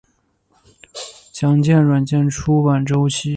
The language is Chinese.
详见软件出版周期。